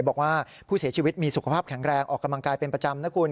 บอกว่าผู้เสียชีวิตมีสุขภาพแข็งแรงออกกำลังกายเป็นประจำนะคุณ